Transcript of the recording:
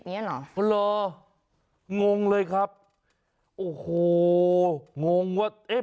ปิดเนี้ยเหรอเหรองงเลยครับโอ้โหงงว่าเอ๊ะ